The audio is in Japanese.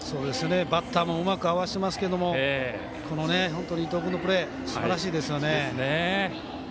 バッターもうまく合わせてますが本当に伊藤君のプレーすばらしいですよね。